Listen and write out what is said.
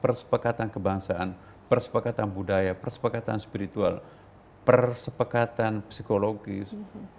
persepekatan kebangsaan persepekatan budaya persepekatan spiritual persepekatan psikologis